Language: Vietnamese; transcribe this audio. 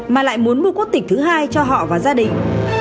mà lại muốn mua quốc tịch thứ hai cho họ và gia đình